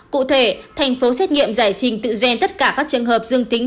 cụ thể thành phố xét nghiệm giải trình tự gen tất cả các trường hợp dương tính